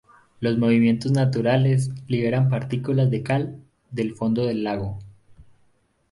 Los movimientos naturales, liberan partículas de cal del fondo del lago